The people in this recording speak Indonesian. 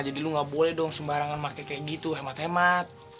lu gak boleh dong sembarangan pakai kayak gitu hemat hemat